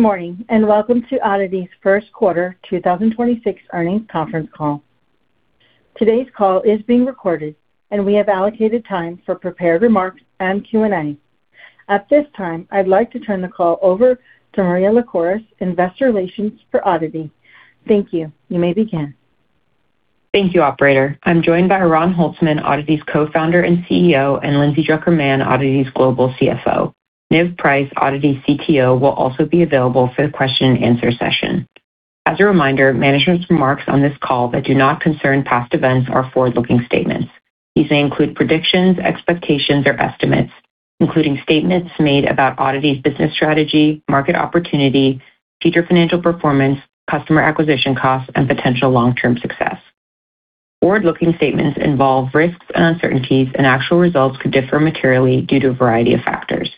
Good morning, and welcome to Oddity's first quarter 2026 earnings conference call. Today's call is being recorded, and we have allocated time for prepared remarks and Q&A. At this time, I'd like to turn the call over to Maria Lycouris, Investor Relations for Oddity. Thank you. You may begin. Thank you, Operator. I'm joined by Oran Holtzman, Oddity's Co-Founder and CEO, and Lindsay Drucker Mann, Oddity's Global CFO. Niv Price, Oddity's CTO, will also be available for the question-and-answer session. As a reminder, management's remarks on this call that do not concern past events are forward-looking statements. These may include predictions, expectations, or estimates, including statements made about Oddity's business strategy, market opportunity, future financial performance, customer acquisition costs, and potential long-term success. Forward-looking statements involve risks and uncertainties. Actual results could differ materially due to a variety of factors.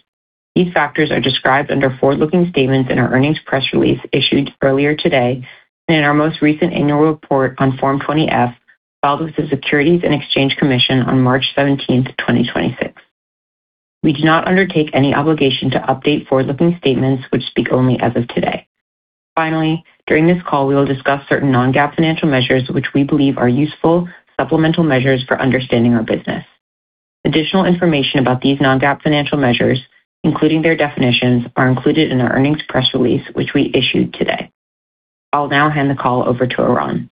These factors are described under forward-looking statements in our earnings press release issued earlier today and in our most recent annual report on Form 20-F filed with the Securities and Exchange Commission on March 17th, 2026. We do not undertake any obligation to update forward-looking statements which speak only as of today. Finally, during this call, we will discuss certain non-GAAP financial measures which we believe are useful supplemental measures for understanding our business. Additional information about these non-GAAP financial measures, including their definitions, are included in our earnings press release, which we issued today. I'll now hand the call over to Oran.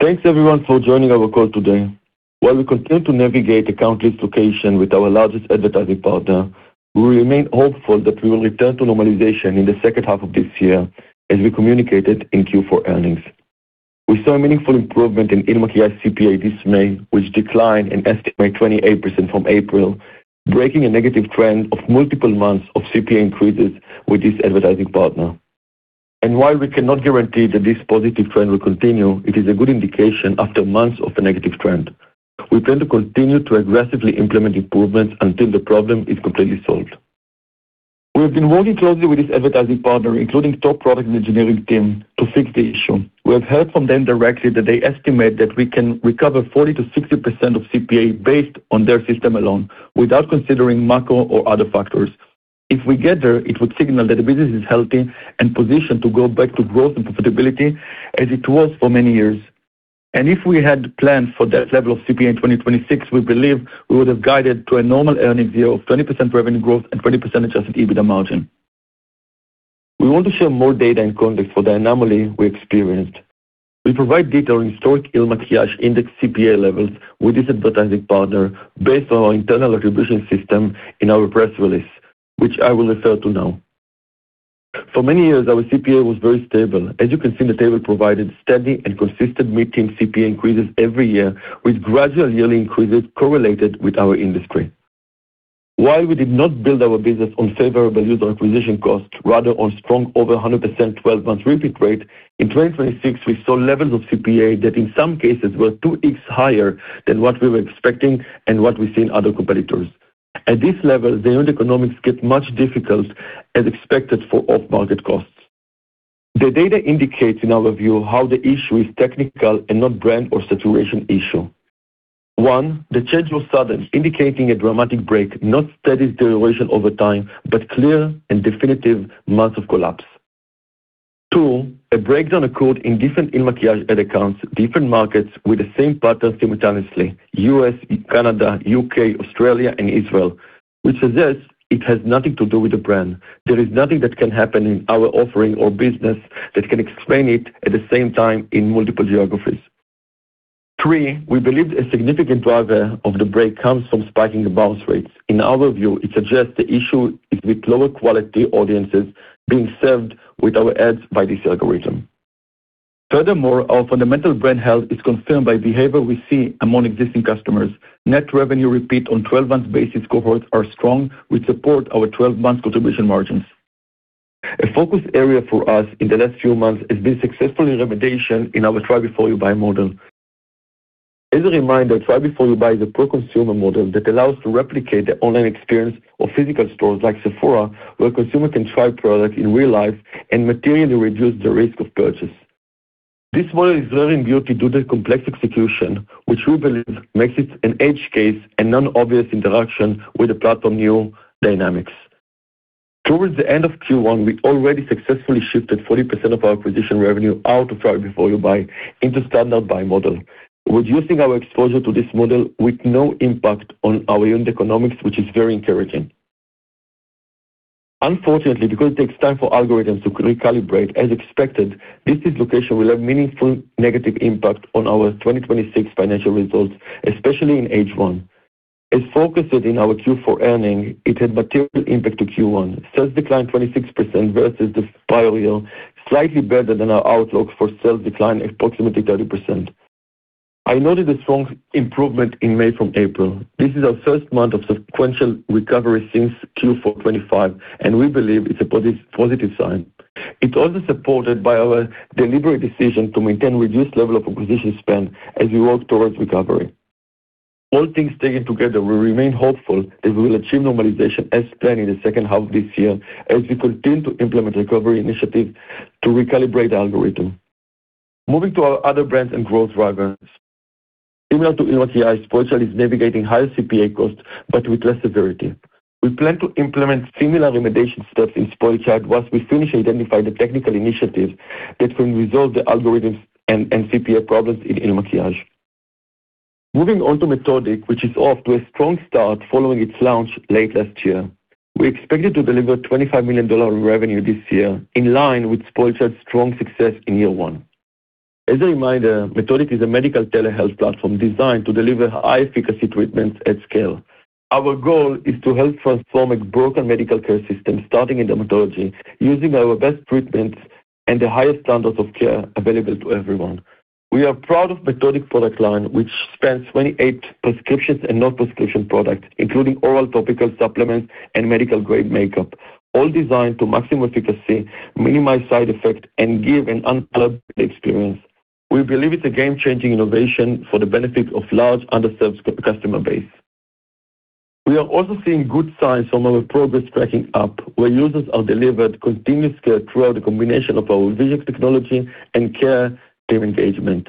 Thanks, everyone, for joining our call today. While we continue to navigate account dislocation with our largest advertising partner, we remain hopeful that we will return to normalization in the second half of this year as we communicated in Q4 earnings. We saw a meaningful improvement in IL MAKIAGE's CPA this May, which declined an estimated 28% from April, breaking a negative trend of multiple months of CPA increases with this advertising partner. While we cannot guarantee that this positive trend will continue, it is a good indication after months of a negative trend. We plan to continue to aggressively implement improvements until the problem is completely solved. We have been working closely with this advertising partner, including top product and engineering team, to fix the issue. We have heard from them directly that they estimate that we can recover 40%-60% of CPA based on their system alone, without considering macro or other factors. If we get there, it would signal that the business is healthy and positioned to go back to growth and profitability as it was for many years. If we had planned for that level of CPA in 2026, we believe we would have guided to a normal earning view of 20% revenue growth and 20% adjusted EBITDA margin. We want to share more data and context for the anomaly we experienced. We provide detailed historic IL MAKIAGE indexed CPA levels with this advertising partner based on our internal attribution system in our press release, which I will refer to now. For many years, our CPA was very stable. As you can see in the table provided, steady and consistent mid-teen CPA increases every year with gradual yearly increases correlated with our industry. While we did not build our business on favorable user acquisition cost, rather on strong over 100% 12-month repeat rate, in 2026, we saw levels of CPA that in some cases were 2x higher than what we were expecting and what we see in other competitors. At this level, the unit economics get much difficult as expected for off-market costs. The data indicates, in our view, how the issue is technical and not brand or saturation issue. One, the change was sudden, indicating a dramatic break, not steady deterioration over time, but clear and definitive months of collapse. Two, a breakdown occurred in different IL MAKIAGE ad accounts, different markets with the same pattern simultaneously, U.S., Canada, U.K., Australia, and Israel, which suggests it has nothing to do with the brand. There is nothing that can happen in our offering or business that can explain it at the same time in multiple geographies. Three, we believe a significant driver of the break comes from spiking bounce rates. In our view, it suggests the issue is with lower quality audiences being served with our ads by this algorithm. Furthermore, our fundamental brand health is confirmed by behavior we see among existing customers. Net revenue repeat on 12-month basis cohorts are strong. We support our 12-month contribution margins. A focus area for us in the last few months has been successful remediation in our Try Before You Buy model. As a reminder, Try Before You Buy is a pro-consumer model that allows to replicate the online experience of physical stores like Sephora, where consumer can try products in real life and materially reduce the risk of purchase. This model is rare in beauty due to complex execution, which we believe makes it an edge case and non-obvious interaction with the platform new dynamics. Towards the end of Q1, we already successfully shifted 40% of our acquisition revenue out of Try Before You Buy into standard buy model, reducing our exposure to this model with no impact on our unit economics, which is very encouraging. Unfortunately, because it takes time for algorithms to recalibrate, as expected, this dislocation will have meaningful negative impact on our 2026 financial results, especially in H1. As forecasted in our Q4 earnings, it had material impact to Q1. Sales declined 26% versus the prior year, slightly better than our outlook for sales decline, approximately 30%. I noted a strong improvement in May from April. This is our first month of sequential recovery since Q4 2025, and we believe it's a positive sign. It's also supported by our deliberate decision to maintain reduced level of acquisition spend as we work towards recovery. All things taken together, we remain hopeful that we will achieve normalization as planned in the second half of this year as we continue to implement recovery initiatives to recalibrate the algorithm. Moving to our other brands and growth drivers. Similar to IL MAKIAGE, SpoiledChild is navigating higher CPA costs, but with less severity. We plan to implement similar remediation steps in SpoiledChild once we finish identifying the technical initiatives that will resolve the algorithms and CPA problems in IL MAKIAGE. Moving on to Methodiq, which is off to a strong start following its launch late last year. We expected to deliver $25 million of revenue this year, in line with SpoiledChild's strong success in year one. As a reminder, Methodiq is a medical telehealth platform designed to deliver high-efficacy treatments at scale. Our goal is to help transform a broken medical care system, starting in dermatology, using our best treatments and the highest standards of care available to everyone. We are proud of Methodiq product line, which spans 28 prescriptions and non-prescription products, including oral, topical supplements, and medical-grade makeup, all designed to maximum efficacy, minimize side effects, and give an unparalleled experience. We believe it's a game-changing innovation for the benefit of large underserved customer base. We are also seeing good signs from our progress tracking app, where users are delivered continuous care through the combination of our visual technology and care team engagement.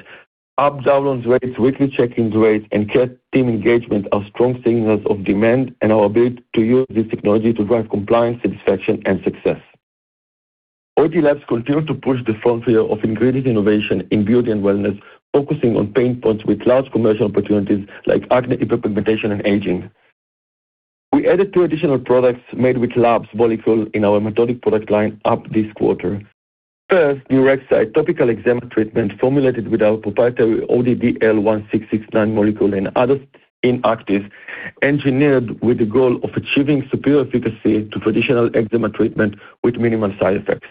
App downloads rates, weekly check-ins rates, and care team engagement are strong signals of demand and our ability to use this technology to drive compliance, satisfaction, and success. ODDITY LABS continue to push the frontier of ingredient innovation in beauty and wellness, focusing on pain points with large commercial opportunities like acne, hyperpigmentation, and aging. We added two additional products made with LABS molecule in our Methodiq product line up this quarter. First, DuraxSynd, topical eczema treatment formulated with our proprietary ODD-L1669 molecule and other inactives, engineered with the goal of achieving superior efficacy to traditional eczema treatment with minimal side effects.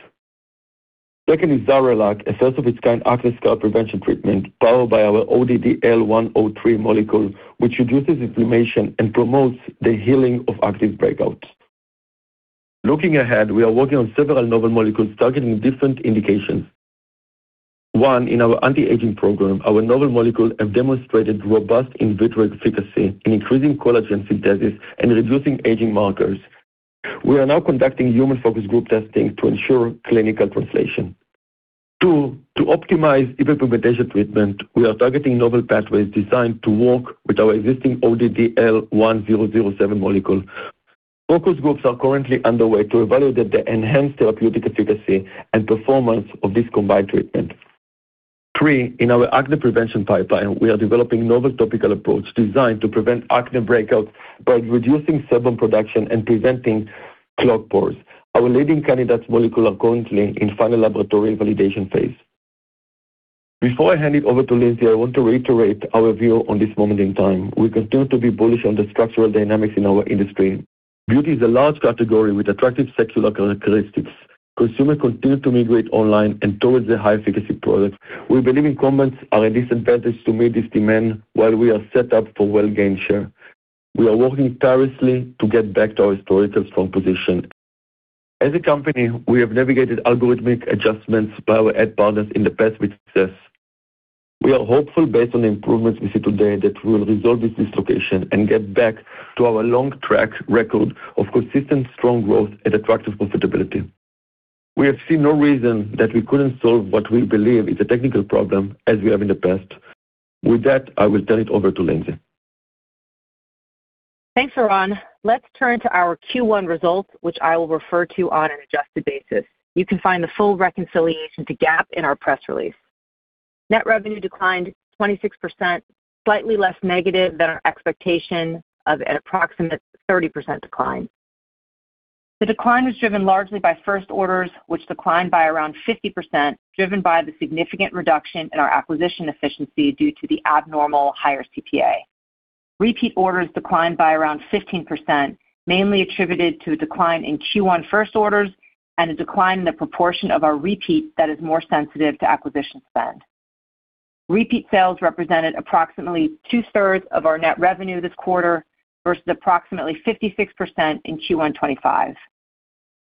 Second is XariLac, a first-of-its-kind active scalp prevention treatment powered by our ODD-L103 molecule, which reduces inflammation and promotes the healing of active breakouts. Looking ahead, we are working on several novel molecules targeting different indications. One, in our anti-aging program, our novel molecule have demonstrated robust in vitro efficacy in increasing collagen synthesis and reducing aging markers. We are now conducting human focus group testing to ensure clinical translation. Two, to optimize hyperpigmentation treatment, we are targeting novel pathways designed to work with our existing ODD-L1007 molecule. Focus groups are currently underway to evaluate the enhanced therapeutic efficacy and performance of this combined treatment. Three, in our acne prevention pipeline, we are developing novel topical approach designed to prevent acne breakouts by reducing sebum production and preventing clogged pores. Our leading candidate molecule are currently in final laboratory validation phase. Before I hand it over to Lindsay, I want to reiterate our view on this moment in time. We continue to be bullish on the structural dynamics in our industry. Beauty is a large category with attractive secular characteristics. Consumers continue to migrate online and towards the high-efficacy products. We believe incumbents are at a disadvantage to meet this demand, while we are set up for well gain share. We are working tirelessly to get back to our story strong position. As a company, we have navigated algorithmic adjustments by our ad partners in the past with success. We are hopeful based on the improvements we see today that we will resolve this dislocation and get back to our long track record of consistent strong growth and attractive profitability. We have seen no reason that we couldn't solve what we believe is a technical problem as we have in the past. With that, I will turn it over to Lindsay. Thanks, Oran. Let's turn to our Q1 results, which I will refer to on an adjusted basis. You can find the full reconciliation to GAAP in our press release. Net revenue declined 26%, slightly less negative than our expectation of an approximate 30% decline. The decline was driven largely by first orders, which declined by around 50%, driven by the significant reduction in our acquisition efficiency due to the abnormal higher CPA. Repeat orders declined by around 15%, mainly attributed to a decline in Q1 first orders and a decline in the proportion of our repeat that is more sensitive to acquisition spend. Repeat sales represented approximately 2/3 of our net revenue this quarter versus approximately 56% in Q1 2025.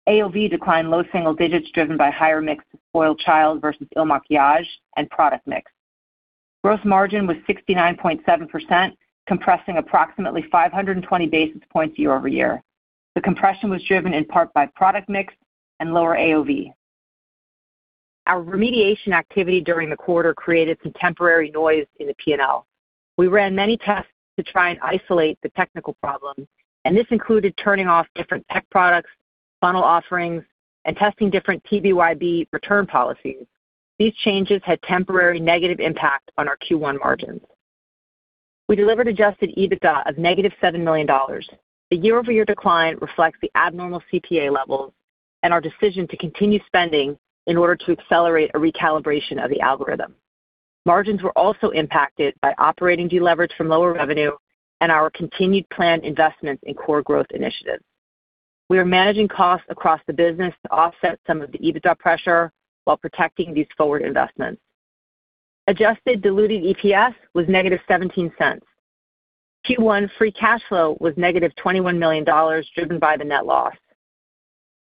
AOV declined low single digits driven by higher mix of SpoiledChild versus IL MAKIAGE and product mix. Gross margin was 69.7%, compressing approximately 520 basis points year-over-year. The compression was driven in part by product mix and lower AOV. Our remediation activity during the quarter created some temporary noise in the P&L. We ran many tests to try and isolate the technical problem. This included turning off different tech products, funnel offerings, and testing different TBYB return policies. These changes had temporary negative impact on our Q1 margins. We delivered adjusted EBITDA of -$7 million. The year-over-year decline reflects the abnormal CPA levels and our decision to continue spending in order to accelerate a recalibration of the algorithm. Margins were also impacted by operating deleverage from lower revenue and our continued planned investments in core growth initiatives. We are managing costs across the business to offset some of the EBITDA pressure while protecting these forward investments. Adjusted diluted EPS was -$0.17. Q1 free cash flow was -$21 million, driven by the net loss.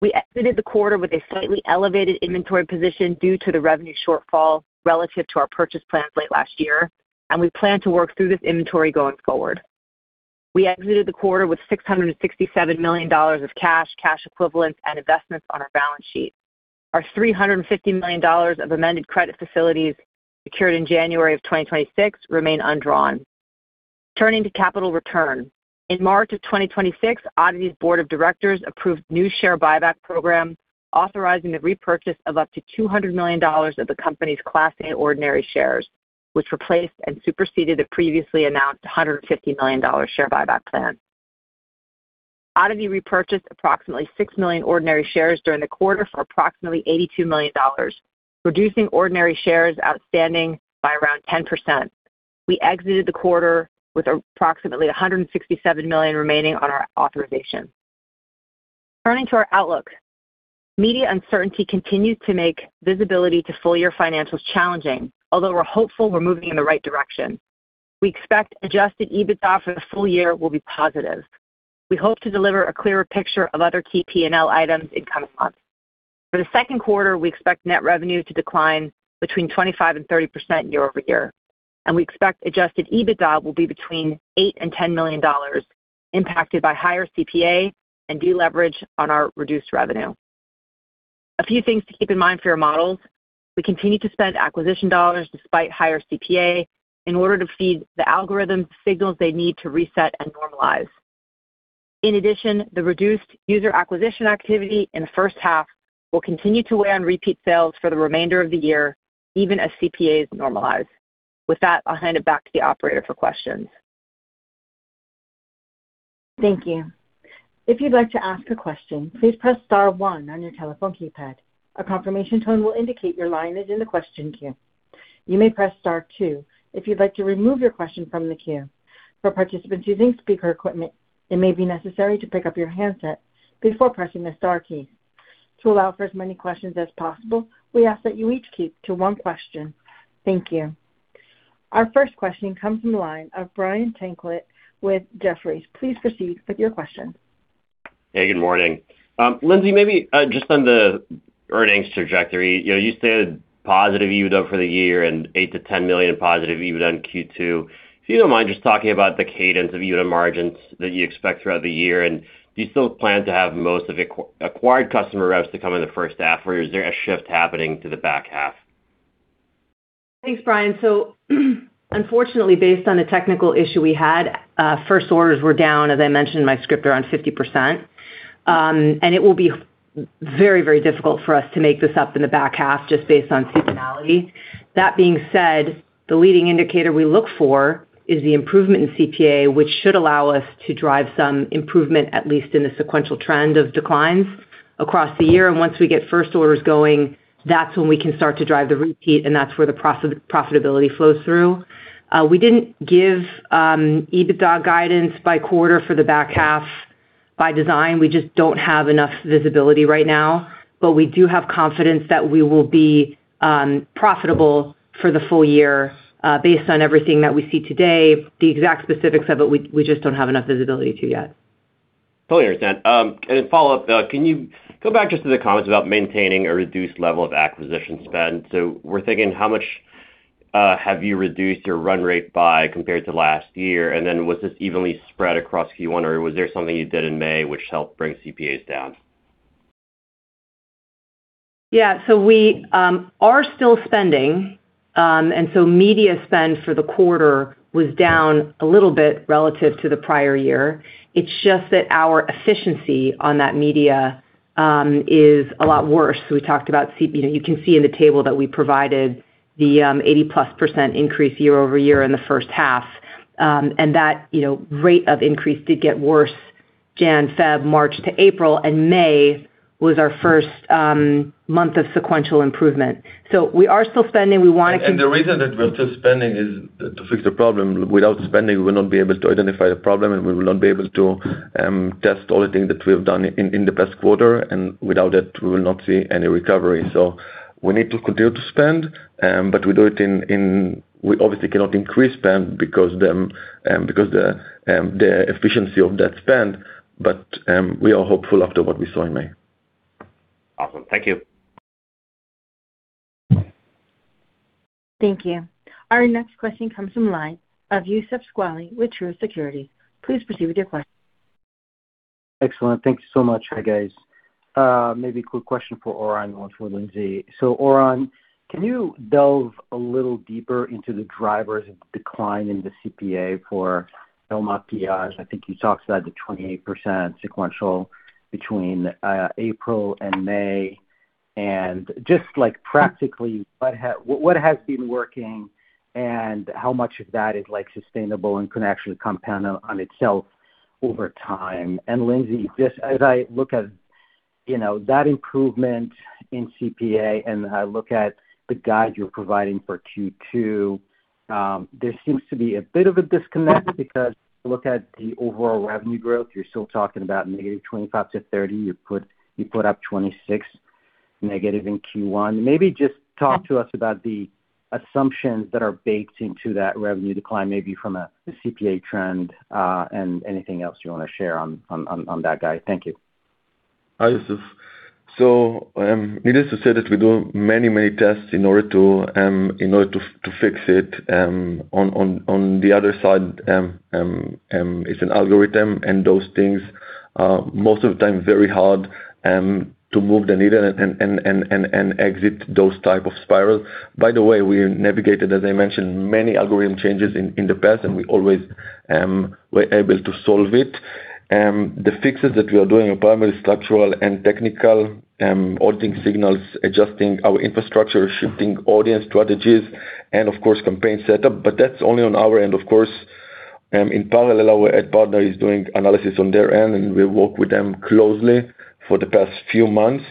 We exited the quarter with a slightly elevated inventory position due to the revenue shortfall relative to our purchase plans late last year, and we plan to work through this inventory going forward. We exited the quarter with $667 million of cash equivalents, and investments on our balance sheet. Our $350 million of amended credit facilities secured in January of 2026 remain undrawn. Turning to capital return. In March of 2026, Oddity's board of directors approved new share buyback program authorizing the repurchase of up to $200 million of the company's class A ordinary shares, which replaced and superseded the previously announced $150 million share buyback plan. Oddity repurchased approximately 6 million ordinary shares during the quarter for approximately $82 million, reducing ordinary shares outstanding by around 10%. We exited the quarter with approximately $167 million remaining on our authorization. Turning to our outlook. Media uncertainty continues to make visibility to full year financials challenging, although we're hopeful we're moving in the right direction. We expect adjusted EBITDA for the full year will be positive. We hope to deliver a clearer picture of other key P&L items in coming months. For the second quarter, we expect net revenue to decline between 25%-30% year-over-year, and we expect adjusted EBITDA will be between $8 million and $10 million, impacted by higher CPA and deleverage on our reduced revenue. A few things to keep in mind for your models. We continue to spend acquisition dollars despite higher CPA in order to feed the algorithm signals they need to reset and normalize. In addition, the reduced user acquisition activity in the first half will continue to weigh on repeat sales for the remainder of the year, even as CPAs normalize. With that, I will hand it back to the operator for questions. Thank you. If you'd like to ask a question, please press star one on your telephone keypad. A confirmation tone will indicate your line is in the question queue. You may press star two if you'd like to remove your question from the queue. For participants using speaker equipment, it may be necessary to pick up your handset before pressing the star key. To allow for as many questions as possible, we ask that you each keep to one question. Thank you. Our first question comes from the line of Brian Tanquilut with Jefferies. Please proceed with your question. Hey, good morning. Lindsay, maybe just on the earnings trajectory. You stated positive EBITDA for the year and $8 million-$10 million positive EBITDA in Q2. If you don't mind just talking about the cadence of EBITDA margins that you expect throughout the year, and do you still plan to have most of the acquired customer reps to come in the first half, or is there a shift happening to the back half? Thanks, Brian. Unfortunately, based on the technical issue we had, first orders were down, as I mentioned in my script, around 50%. It will be very difficult for us to make this up in the back half just based on seasonality. That being said, the leading indicator we look for is the improvement in CPA, which should allow us to drive some improvement, at least in the sequential trend of declines across the year. Once we get first orders going, that's when we can start to drive the repeat, and that's where the profitability flows through. We didn't give EBITDA guidance by quarter for the back half by design. We just don't have enough visibility right now, but we do have confidence that we will be profitable for the full year. Based on everything that we see today, the exact specifics of it, we just don't have enough visibility to yet. Totally understand. Follow-up, can you go back just to the comments about maintaining a reduced level of acquisition spend? We're thinking, how much have you reduced your run rate by compared to last year? Was this evenly spread across Q1, or was there something you did in May which helped bring CPAs down? Yeah. We are still spending, and media spend for the quarter was down a little bit relative to the prior year. It's just that our efficiency on that media is a lot worse. We talked about CPA. You can see in the table that we provided the 80%+ increase year-over-year in the first half. That rate of increase did get worse January, February, March to April, and May was our first month of sequential improvement. We are still spending. We want to keep. The reason that we're still spending is to fix the problem. Without spending, we will not be able to identify the problem, and we will not be able to test all the things that we have done in the past quarter, and without it, we will not see any recovery. We need to continue to spend, but we obviously cannot increase spend because the efficiency of that spend, but we are hopeful after what we saw in May. Awesome. Thank you. Thank you. Our next question comes from line of Youssef Squali with Truist Securities. Please proceed with your question. Excellent. Thank you so much. Hi, guys. Maybe a quick question for Oran and one for Lindsay. Oran, can you delve a little deeper into the drivers of decline in the CPA for IL MAKIAGE? I think you talked about the 28% sequential between April and May. Just practically, what has been working, and how much of that is sustainable and can actually compound on itself over time? Lindsay, just as I look at that improvement in CPA, and I look at the guide you're providing for Q2, there seems to be a bit of a disconnect because if you look at the overall revenue growth, you're still talking about negative 25%-30%. You put up -26% in Q1. Maybe just talk to us about the assumptions that are baked into that revenue decline, maybe from a CPA trend, and anything else you want to share on that guide. Thank you. Hi, Youssef. Needless to say that we do many tests in order to fix it. On the other side, it's an algorithm, and those things are, most of the time, very hard to move the needle and exit those type of spirals. By the way, we navigated, as I mentioned, many algorithm changes in the past, and we always were able to solve it. The fixes that we are doing are primarily structural and technical, altering signals, adjusting our infrastructure, shifting audience strategies, and of course, campaign setup. That's only on our end, of course. In parallel, our ad partner is doing analysis on their end, and we work with them closely for the past few months.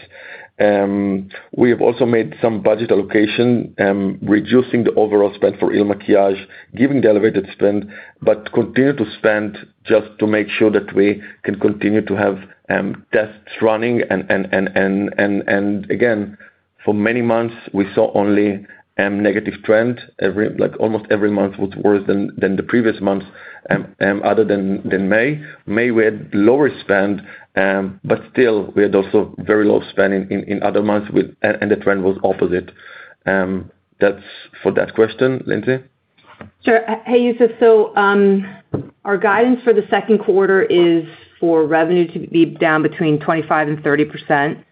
We have also made some budget allocation, reducing the overall spend for IL MAKIAGE, given the elevated spend, but continue to spend just to make sure that we can continue to have tests running. Again, for many months, we saw only negative trend. Almost every month was worse than the previous months, other than May. May, we had lower spend, but still, we had also very low spend in other months, and the trend was opposite. That's for that question. Lindsay? Sure. Hey, Youssef. Our guidance for the second quarter is for revenue to be down between 25% and 30%.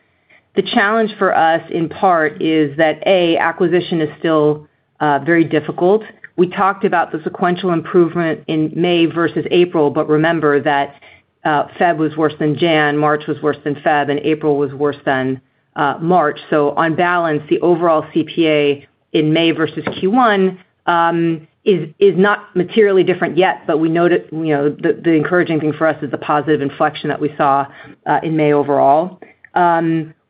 The challenge for us, in part, is that, A, acquisition is still very difficult. We talked about the sequential improvement in May versus April, remember that February was worse than January, March was worse than February, and April was worse than March. On balance, the overall CPA in May versus Q1 is not materially different yet, the encouraging thing for us is the positive inflection that we saw in May overall.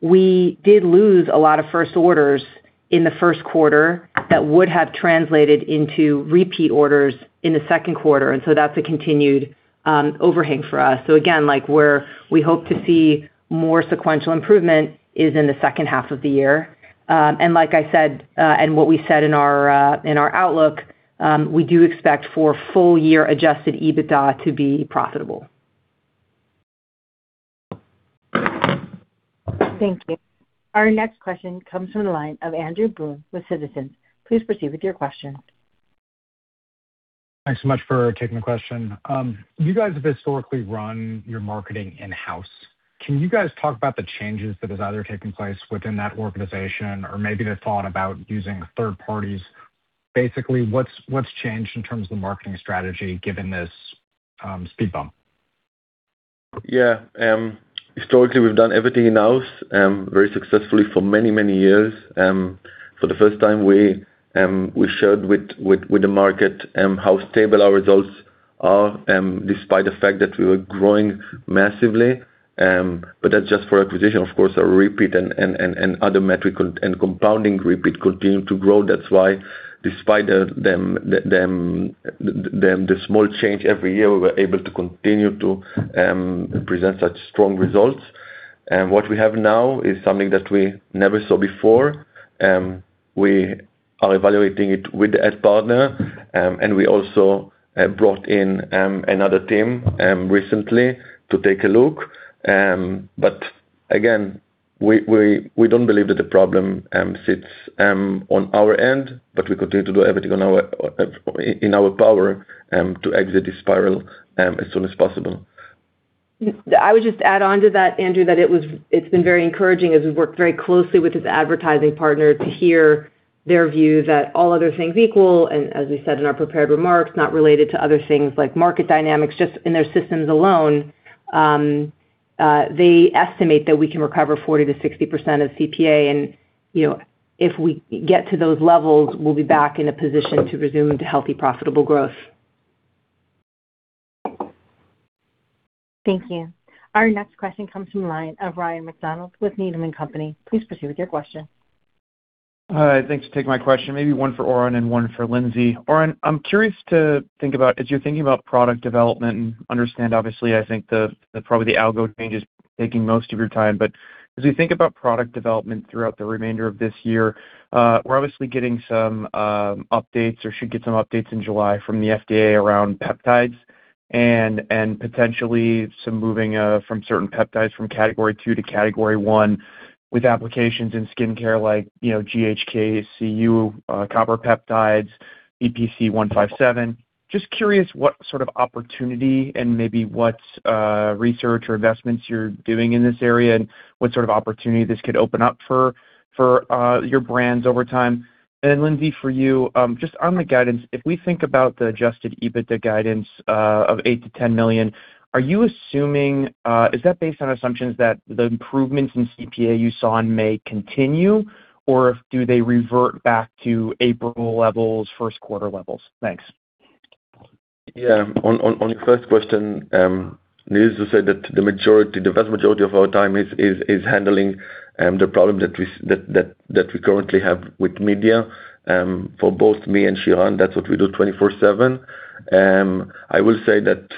We did lose a lot of first orders in the first quarter that would have translated into repeat orders in the second quarter, that's a continued overhang for us. Again, where we hope to see more sequential improvement is in the second half of the year. Like I said, and what we said in our outlook, we do expect for full year adjusted EBITDA to be profitable. Thank you. Our next question comes from the line of Andrew Boone with Citizens. Please proceed with your question. Thanks so much for taking the question. You guys have historically run your marketing in-house. Can you guys talk about the changes that have either taken place within that organization, or maybe the thought about using third parties? Basically, what's changed in terms of marketing strategy given this speed bump? Yeah. Historically, we've done everything in-house, very successfully for many years. For the first time, we shared with the market how stable our results are, despite the fact that we were growing massively. That's just for acquisition, of course. Our repeat and other metric and compounding repeat continue to grow. That's why, despite the small change every year, we were able to continue to present such strong results. What we have now is something that we never saw before. We are evaluating it with the ad partner, and we also brought in another team recently to take a look. Again, we don't believe that the problem sits on our end, but we continue to do everything in our power to exit the spiral as soon as possible. I would just add on to that, Andrew, that it's been very encouraging as we've worked very closely with this advertising partner to hear their view that all other things equal, and as we said in our prepared remarks, not related to other things like market dynamics, just in their systems alone, they estimate that we can recover 40%-60% of CPA. If we get to those levels, we'll be back in a position to resume to healthy, profitable growth. Thank you. Our next question comes from the line of Ryan MacDonald with Needham & Company. Please proceed with your question. Hi, thanks for taking my question. Maybe one for Oran and one for Lindsay. Oran, I'm curious to think about, as you're thinking about product development, and understand, obviously, I think that probably the algo change is taking most of your time. As we think about product development throughout the remainder of this year, we're obviously getting some updates, or should get some updates in July from the FDA around peptides, and potentially some moving from certain peptides from Category 2 to Category 1 with applications in skincare like GHK-Cu copper peptides, BPC-157. Curious what sort of opportunity and maybe what research or investments you're doing in this area, and what sort of opportunity this could open up for your brands over time. Lindsay, for you, just on the guidance, if we think about the adjusted EBITDA guidance of $8 million-$10 million, is that based on assumptions that the improvements in CPA you saw in May continue, or do they revert back to April levels, first quarter levels? Thanks. Yeah. On your first question, needless to say that the vast majority of our time is handling the problem that we currently have with media. For both me and Shiran, that's what we do 24/7. I will say that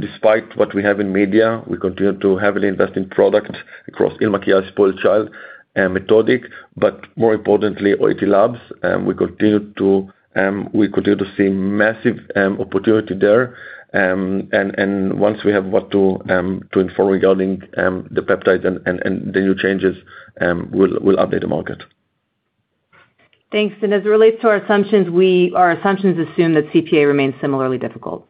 despite what we have in media, we continue to heavily invest in product across IL MAKIAGE, SpoiledChild and Methodiq, but more importantly, ODDITY LABS. We continue to see massive opportunity there. Once we have what to inform regarding the peptides and the new changes, we'll update the market. Thanks. As it relates to our assumptions, our assumptions assume that CPA remains similarly difficult.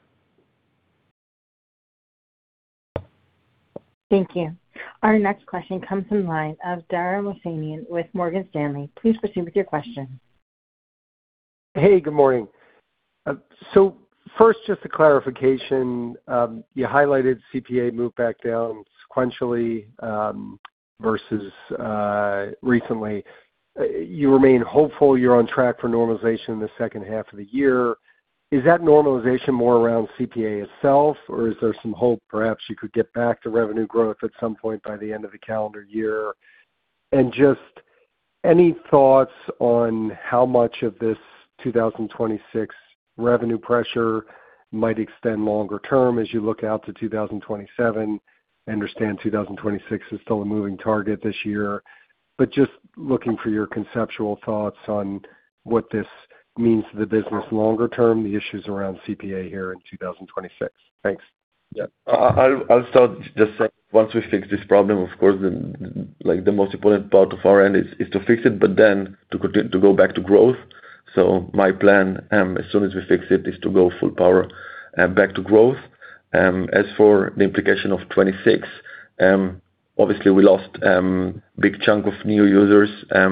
Thank you. Our next question comes from the line of Dara Mohsenian with Morgan Stanley. Please proceed with your question. Good morning. First, just a clarification. You highlighted CPA moved back down sequentially versus recently. You remain hopeful you're on track for normalization in the second half of the year. Is that normalization more around CPA itself, or is there some hope perhaps you could get back to revenue growth at some point by the end of the calendar year? Just any thoughts on how much of this 2026 revenue pressure might extend longer term as you look out to 2027? I understand 2026 is still a moving target this year. Just looking for your conceptual thoughts on what this means to the business longer term, the issues around CPA here in 2026. Thanks. Yeah. I'll start just from once we fix this problem, of course, then the most important part of our end is to fix it, to go back to growth. My plan, as soon as we fix it, is to go full power back to growth. As for the implication of 26, obviously we lost big chunk of new users that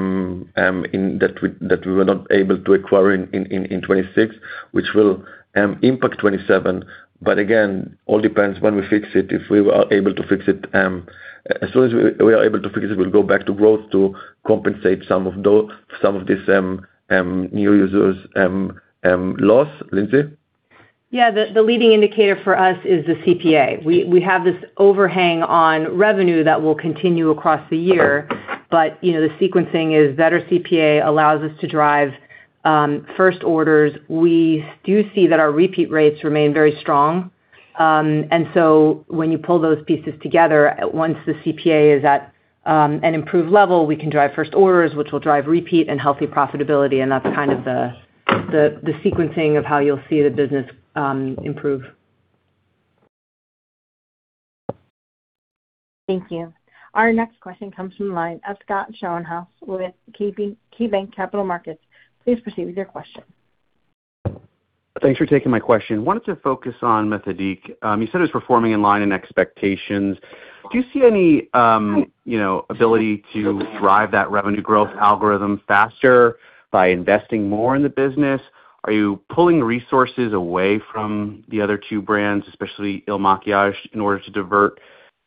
we were not able to acquire in 26, which will impact 27. Again, all depends when we fix it, if we are able to fix it. As soon as we are able to fix it, we'll go back to growth to compensate some of this new users loss. Lindsay? Yeah, the leading indicator for us is the CPA. We have this overhang on revenue that will continue across the year. The sequencing is better CPA allows us to drive first orders. We do see that our repeat rates remain very strong. When you pull those pieces together, once the CPA is at an improved level, we can drive first orders, which will drive repeat and healthy profitability, and that's kind of the sequencing of how you'll see the business improve. Thank you. Our next question comes from the line of Scott Schoenhaus with KeyBanc Capital Markets. Please proceed with your question. Thanks for taking my question. Wanted to focus on Methodiq. You said it was performing in line in expectations. Do you see any ability to drive that revenue growth algorithm faster by investing more in the business? Are you pulling resources away from the other two brands, especially IL MAKIAGE, in order to divert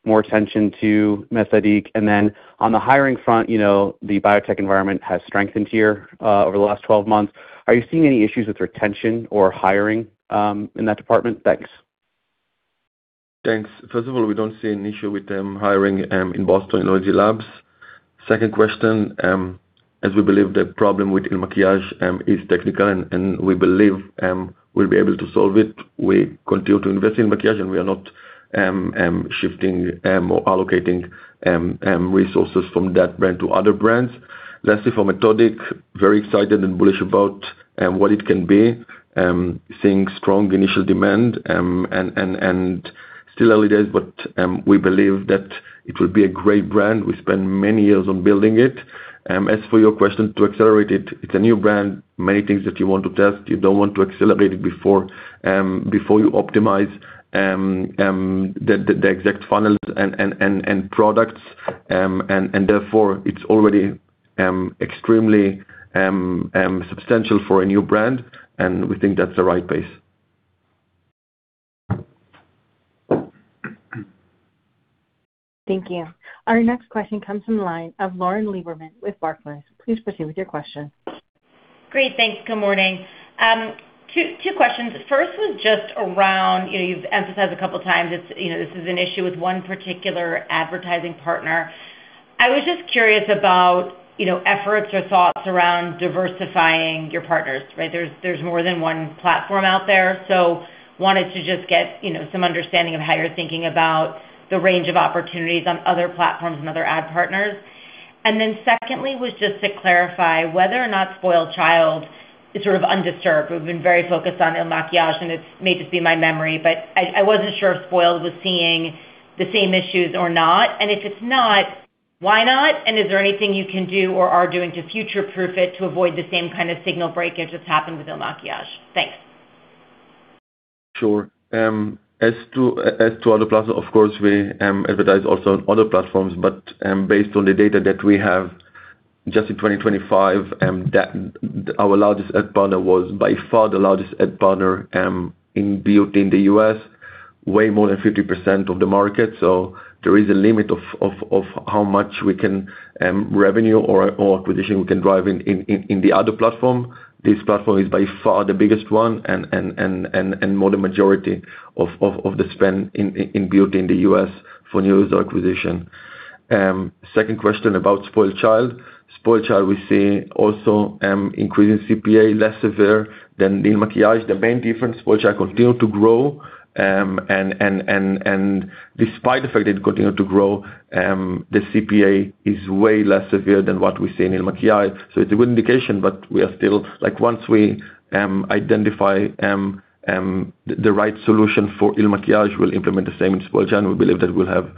more attention to Methodiq? On the hiring front, the biotech environment has strengthened here over the last 12 months. Are you seeing any issues with retention or hiring in that department? Thanks. Thanks. First of all, we don't see an issue with hiring in Boston in ODDITY LABS. Second question, we believe the problem with IL MAKIAGE is technical, we believe we'll be able to solve it. We continue to invest in Makiage, we are not shifting or allocating resources from that brand to other brands. Lastly, for Methodiq, very excited and bullish about what it can be. Seeing strong initial demand, still early days, we believe that it will be a great brand. We spend many years on building it. As for your question to accelerate it's a new brand. Many things that you want to test, you don't want to accelerate it before you optimize the exact funnels and products. Therefore, it's already extremely substantial for a new brand, we think that's the right pace. Thank you. Our next question comes from the line of Lauren Lieberman with Barclays. Please proceed with your question. Great. Thanks. Good morning. Two questions. First was just around, you've emphasized a couple times this is an issue with one particular advertising partner. I was just curious about efforts or thoughts around diversifying your partners, right? There's more than one platform out there. Wanted to just get some understanding of how you're thinking about the range of opportunities on other platforms and other ad partners. Secondly, was just to clarify whether or not SpoiledChild is sort of undisturbed. We've been very focused on IL MAKIAGE, and it may just be my memory, but I wasn't sure if Spoiled was seeing the same issues or not. If it's not, why not? Is there anything you can do or are doing to future-proof it to avoid the same kind of signal breakage that's happened with IL MAKIAGE? Thanks. Sure. As to other platforms, of course, we advertise also on other platforms. Based on the data that we have, just in 2025, our largest ad partner was by far the largest ad partner in beauty in the U.S., way more than 50% of the market. There is a limit of how much we can revenue or acquisition we can drive in the other platform. This platform is by far the biggest one and more the majority of the spend in beauty in the U.S. for new user acquisition. Second question about SpoiledChild. SpoiledChild we see also increasing CPA, less severe than IL MAKIAGE. The main difference, SpoiledChild continue to grow. Despite the fact it continued to grow, the CPA is way less severe than what we see in IL MAKIAGE. it's a good indication, Once we identify the right solution for IL MAKIAGE, we'll implement the same in SpoiledChild. We believe that we'll have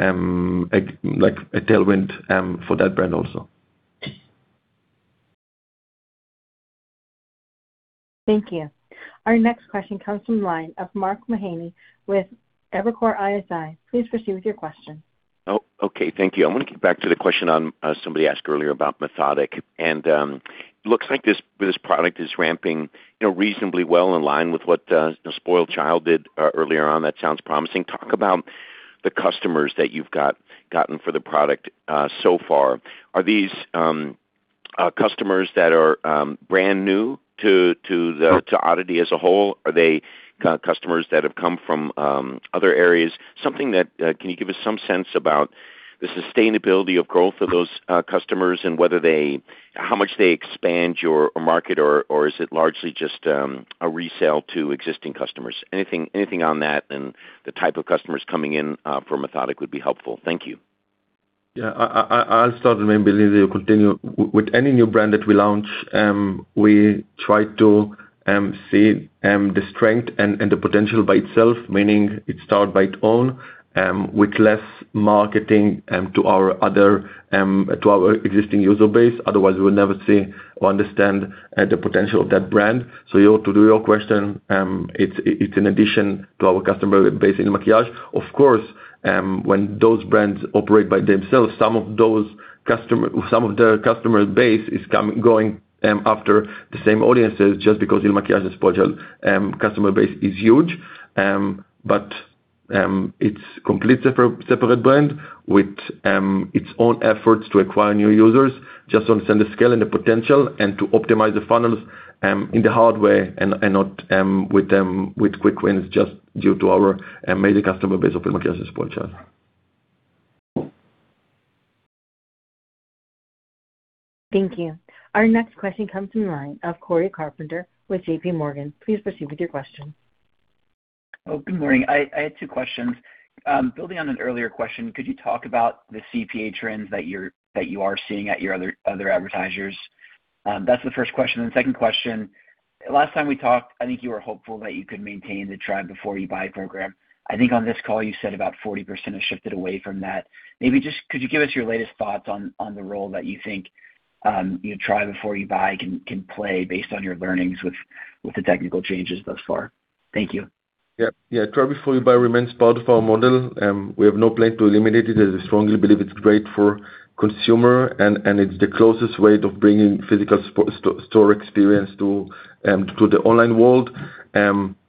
a tailwind for that brand also. Thank you. Our next question comes from the line of Mark Mahaney with Evercore ISI. Please proceed with your question. Okay, thank you. I want to get back to the question somebody asked earlier about Methodiq, and it looks like this product is ramping reasonably well in line with what SpoiledChild did earlier on. That sounds promising. Talk about the customers that you've gotten for the product so far. Are these customers that are brand new to- Sure Oddity as a whole? Are they customers that have come from other areas? Can you give us some sense about the sustainability of growth of those customers and how much they expand your market, or is it largely just a resale to existing customers? Anything on that and the type of customers coming in for Methodiq would be helpful. Thank you. Yeah. I'll start and then Niv, you continue. With any new brand that we launch, we try to see the strength and the potential by itself, meaning it start by its own, with less marketing to our existing user base. Otherwise, we would never see or understand the potential of that brand. To your question, it's an addition to our customer base in IL MAKIAGE. Of course, when those brands operate by themselves, some of their customer base is going after the same audiences, just because IL MAKIAGE and SpoiledChild customer base is huge. It's complete separate brand with its own efforts to acquire new users, just understand the scale and the potential, and to optimize the funnels in the hard way and not with quick wins, just due to our amazing customer base of IL MAKIAGE and SpoiledChild. Thank you. Our next question comes from the line of Cory Carpenter with JPMorgan. Please proceed with your question. Good morning. I had two questions. Building on an earlier question, could you talk about the CPA trends that you are seeing at your other advertisers? That's the first question. The second question, last time we talked, I think you were hopeful that you could maintain the Try Before You Buy program. I think on this call you said about 40% have shifted away from that. Maybe just could you give us your latest thoughts on the role that you think your Try Before You Buy can play based on your learnings with the technical changes thus far? Thank you. Yeah. Try Before You Buy remains part of our model. We have no plan to eliminate it, as I strongly believe it's great for consumer, and it's the closest way of bringing physical store experience to the online world.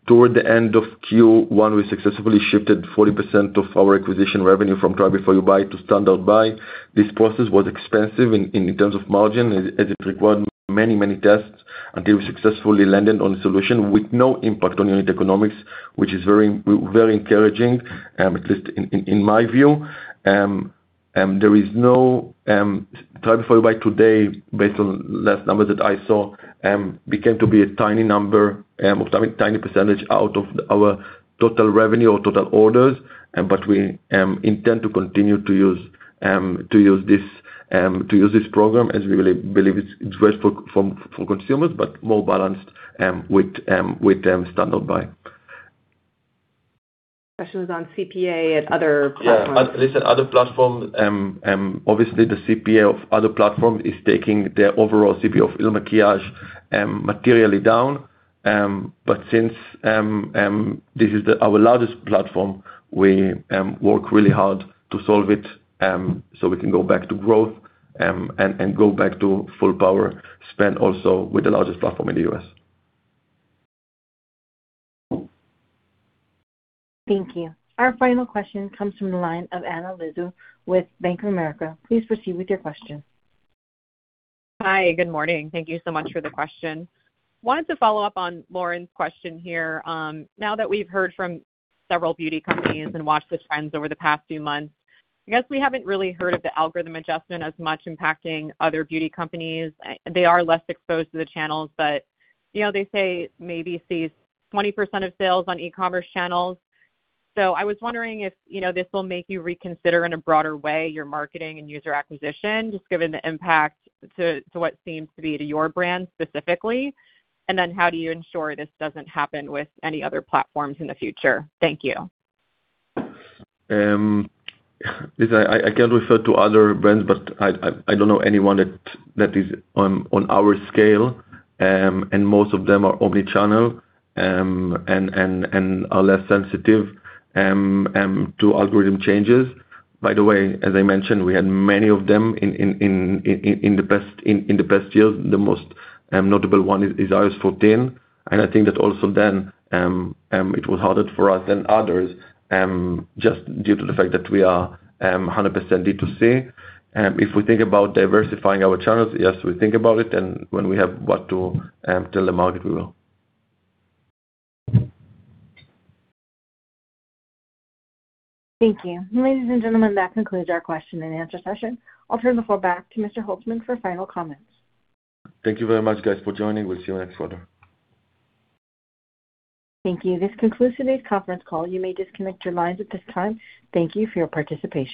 Toward the end of Q1, we successfully shifted 40% of our acquisition revenue from Try Before You Buy to standard buy. This process was expensive in terms of margin, as it required many tests until we successfully landed on a solution with no impact on unit economics, which is very encouraging, at least in my view. Try Before You Buy today, based on last numbers that I saw, became to be a tiny number, a tiny percentage out of our total revenue or total orders. We intend to continue to use this program, as we really believe it's best for consumers, but more balanced with standard buy. Question was on CPA at other platforms. Yeah. Listen, other platform, obviously the CPA of other platforms is taking the overall CPA of IL MAKIAGE materially down. Since this is our largest platform, we work really hard to solve it, so we can go back to growth, and go back to full power spend also with the largest platform in the U.S. Thank you. Our final question comes from the line of Anna Lizzul with Bank of America. Please proceed with your question. Hi, good morning. Thank you so much for the question. Wanted to follow up on Lauren's question here. Now that we've heard from several beauty companies and watched the trends over the past few months, I guess we haven't really heard of the algorithm adjustment as much impacting other beauty companies. They are less exposed to the channels, but they say maybe it sees 20% of sales on e-commerce channels. I was wondering if this will make you reconsider in a broader way your marketing and user acquisition, just given the impact to what seems to be to your brand specifically? How do you ensure this doesn't happen with any other platforms in the future? Thank you. Listen, I can't refer to other brands, but I don't know anyone that is on our scale, and most of them are omni-channel, and are less sensitive to algorithm changes. By the way, as I mentioned, we had many of them in the past years. The most notable one is iOS 14. I think that also then, it was harder for us than others, just due to the fact that we are 100% D2C. If we think about diversifying our channels, yes, we think about it. When we have what to tell the market, we will. Thank you. Ladies and gentlemen, that concludes our question-and-answer session. I'll turn the floor back to Mr. Holtzman for final comments. Thank you very much, guys, for joining. We'll see you next quarter. Thank you. This concludes today's conference call. You may disconnect your lines at this time. Thank you for your participation.